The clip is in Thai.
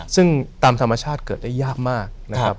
ซึ่งตามธรรมชาติเกิดได้ยากมากนะครับ